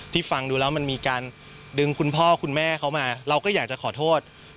ฟังดูแล้วมันมีการดึงคุณพ่อคุณแม่เขามาเราก็อยากจะขอโทษ